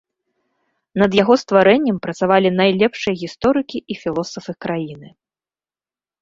Над яго стварэннем працавалі найлепшыя гісторыкі і філосафы краіны.